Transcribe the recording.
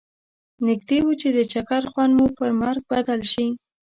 نږدي و چې د چکر خوند مو پر مرګ بدل شي.